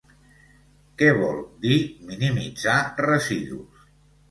Què vol dir minimitzar residus?